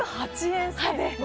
５８円差で。